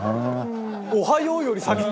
「“おはよう”より先に」